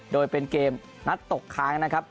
โดยเป็นเกมนัดตกค้างนะครับ